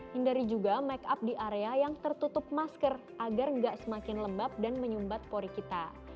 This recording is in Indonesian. hindari juga make up di area yang tertutup masker agar nggak semakin lembab dan menyumbat pori kita